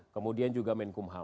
kemudian juga menko polukam